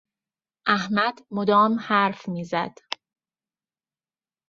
احمد مدام حرف میزد.